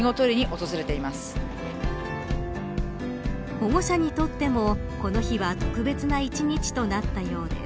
保護者にとってもこの日は特別な一日となったようです。